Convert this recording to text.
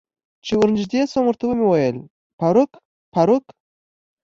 چې ور نږدې شوم ورته مې وویل: فاروق، فاروق.